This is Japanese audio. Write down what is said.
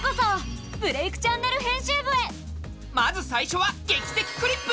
まず最初は「劇的クリップ」！